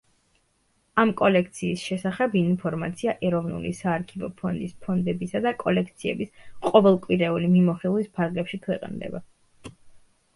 ამ კოლექციის შესახებ ინფორმაცია ეროვნული საარქივო ფონდის ფონდებისა და კოლექციების ყოველკვირეული მიმოხილვის ფარგლებში ქვეყნდება.